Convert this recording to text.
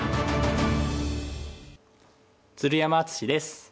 鶴山淳志です。